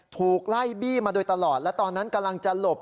ถูกไล่บี้มาโดยตลอดและตอนนั้นกำลังจะหลบ